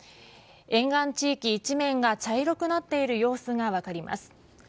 沿岸地域一面が茶色くなっている様子が分かります。